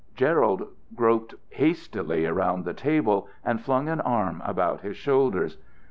Gerald groped hastily around the table, and flung an arm about his shoulders.